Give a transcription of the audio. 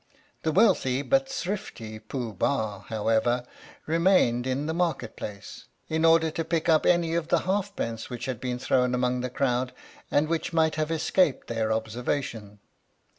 The wealthy but thrifty Pooh Bah, however, remained in the Market Place in order to pick up any of the half pence which had been thrown among the crowd and 15 THE STORY OF THE MIKADO which might have escaped their observation.